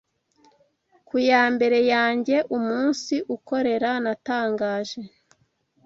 Ku yambere yanjye umunsi ukorera natangaje